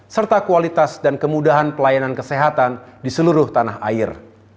serta kualitas dan kemudahan pelayanan kesehatan di seluruh tanah air